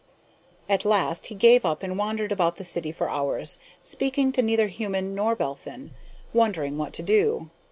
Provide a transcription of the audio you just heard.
At last he gave up and wandered about the city for hours, speaking to neither human nor Belphin, wondering what to do.